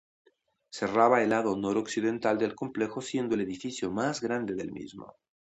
Cerraba el lado noroccidental del complejo, siendo el edificio más grande del mismo.